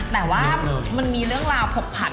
แต่ว่ามันมีเรื่องราวผกผัด